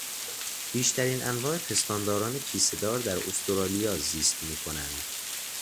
بیشترین انواع پستانداران کیسه دار در استرالیا زیست میکنند.